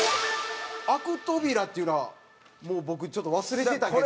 アクトビラっていうのは僕ちょっと忘れてたけど。